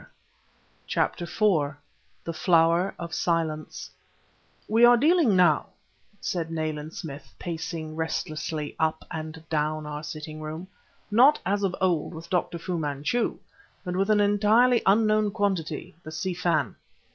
Yet ... CHAPTER IV THE FLOWER OF SILENCE "We are dealing now," said Nayland Smith, pacing restlessly up and down our sitting room, "not, as of old, with Dr. Fu Manchu, but with an entirely unknown quantity the Si Fan."